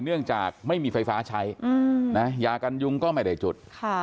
เนื่องจากไม่มีไฟฟ้าใช้ยากันยุงก็ไม่ได้จุด